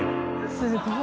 すごい。